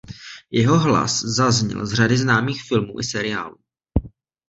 Jeho hlas zazněl z řady známých filmů i seriálů.